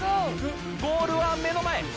ゴールは目の前。